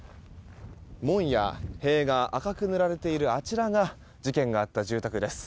門や塀が赤く塗られているあちらが事件があった住宅です。